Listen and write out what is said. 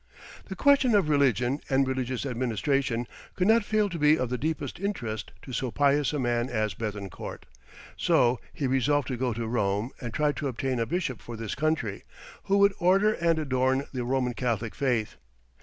The question of religion, and religious administration could not fail to be of the deepest interest to so pious a man as Béthencourt, so he resolved to go to Rome and try to obtain a bishop for this country, who "would order and adorn the Roman Catholic faith."